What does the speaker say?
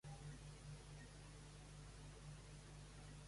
Les guerres dels Països Baixos espanyols consistien principalment en setges.